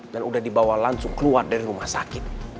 dan sudah dibawa langsung keluar dari rumah sakit